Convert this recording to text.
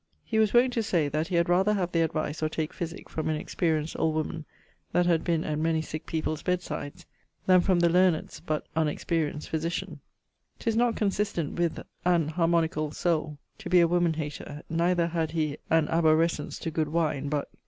He was wont to say that he had rather have the advice, or take physique from an experienced old woman, that had been at many sick people's bed sides, then from the learnedst but unexperienced physitian. 'Tis not consistent with an harmonicall soule to be a woman hater, neither had he an abhorrescence to good wine but